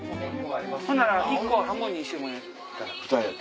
ほんなら１個を半分にしてもええ？